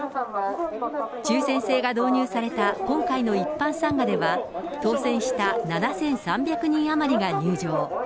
抽せん制が導入された今回の一般参賀では、当せんした７３００人余りが入場。